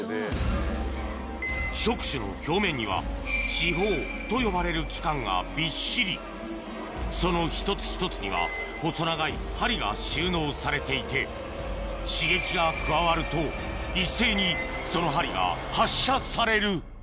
触手の表面には刺胞と呼ばれる器官がびっしりその一つ一つには細長い針が収納されていて刺激が加わると一斉にその針が発射される